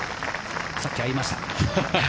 さっき会いました。